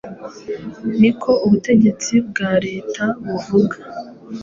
Niko ubutegetsi bwa leta buvuga.”